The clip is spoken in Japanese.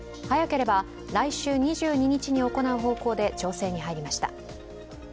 早ければ来週２２日に行う方向で調整に入りました。